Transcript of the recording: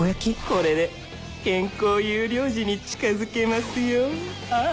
これで健康優良児に近づけますよああ